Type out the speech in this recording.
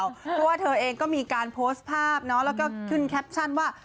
เพราะว่าเธอเองก็มีการโพสต์ภาพแล้วก็ขึ้นแคปชั่นว่า